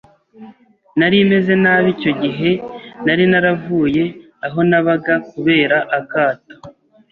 nari meze nabi icyo gihe nari naravuye aho nabaga kubera akato